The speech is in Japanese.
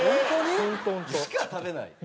食べないの？